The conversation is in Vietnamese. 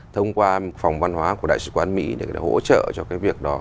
thông qua phòng văn hóa của đại sứ quán mỹ để hỗ trợ cho cái việc đó